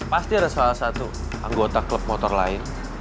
pasti ada salah satu anggota klub motor lain